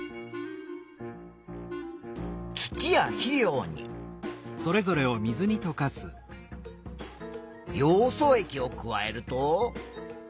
土や肥料にヨウ素液を加えると。